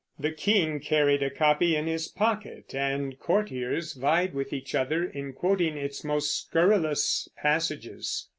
The king carried a copy in his pocket, and courtiers vied with each other in quoting its most scurrilous passages.